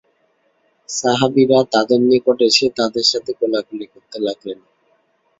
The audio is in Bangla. সাহাবীরা তাদের নিকট এসে তাদের সাথে কোলাকুলি করতে লাগলেন।